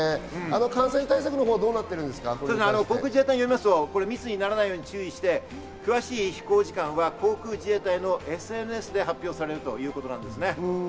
感染対策はど航空自衛隊によりますと、密にならないよう注意し、詳しい飛行時間は航空自衛隊公式のＳＮＳで発表される予定です。